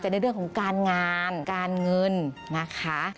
ในเรื่องของการงานการเงินนะคะ